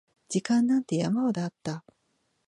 時間なんて山ほどあった